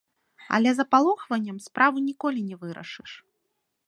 Але запалохваннем справу ніколі не вырашыш.